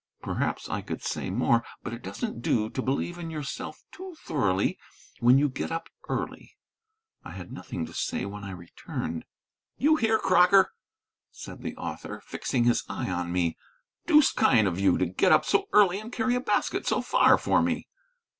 Perhaps I could say more, but it doesn't do to believe in yourself too thoroughly when you get up early. I had nothing to say when I returned. "You here, Crocker?" said the author, fixing his eye on me. "Deuced kind of you to get up so early and carry a basket so far for me."